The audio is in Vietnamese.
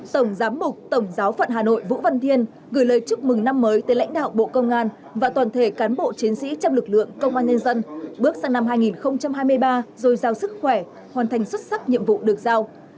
tổng giám mục tổng giáo phận hà nội vũ văn thiên gửi lời chúc mừng năm mới tới lãnh đạo bộ công an và toàn thể cán bộ chiến sĩ trong lực lượng công an nhân dân bước sang năm hai nghìn hai mươi ba rồi giao sức khỏe hoàn thành xuất sắc nhiệm vụ được giao